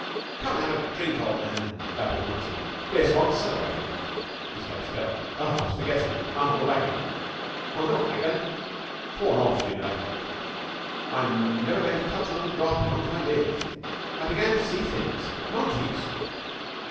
'Come and have a drink, old man!' babbled Nutty. 'This wants celebrating!' His face fell. 'Oh, I was forgetting! I'm on the wagon.' 'On the wagon?' 'Sworn off, you know. I'm never going to touch another drop as long as I live. I began to see things monkeys!'